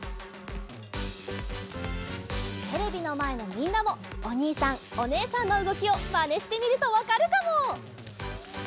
テレビのまえのみんなもおにいさんおねえさんのうごきをまねしてみるとわかるかも！